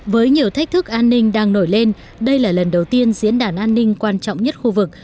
với nhiều thách thức an ninh đang nổi lên đây là lần đầu tiên diễn đàn an ninh quan trọng nhất khu vực